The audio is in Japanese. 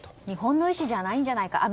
日本の意思じゃないんじゃないか。